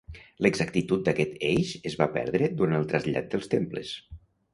L'exactitud d'aquest eix es va perdre durant el trasllat dels temples.